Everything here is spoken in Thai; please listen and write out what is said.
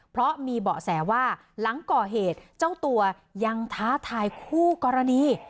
เพราะมีเบาะแสว่าหลังก่อเหตุเจ้าตัวยังท้าทายคู่กรณี